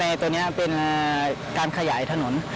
ตัวนี้เป็นการขยายถนน